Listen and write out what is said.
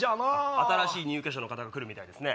新しい入居者の方が来るみたいですね。